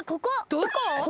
どこ？